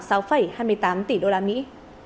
đạt khoảng sáu hai mươi tám tỷ đô la mỹ